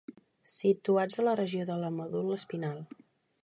Situats a la regió de la medul·la espinal.